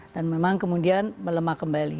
dan memang kemudian melemah kembali